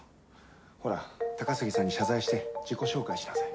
ほら高杉さんに謝罪して自己紹介しなさい。